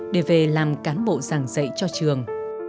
để về làm cán bộ giảng dạy cho trường